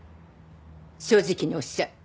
正直におっしゃい。